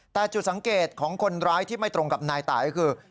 แต่จุดสังเกตของคนร้ายที่ไม่ตรงกับนายตายก็คือ